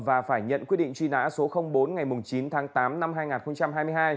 và phải nhận quyết định truy nã số bốn ngày chín tháng tám năm hai nghìn hai mươi hai